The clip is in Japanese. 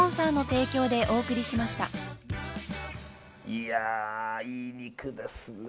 いやあ、いい肉ですね。